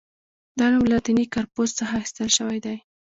دا نوم له لاتیني «کارپوس» څخه اخیستل شوی دی.